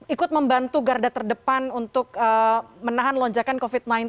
ikut membantu garda terdepan untuk menahan lonjakan covid sembilan belas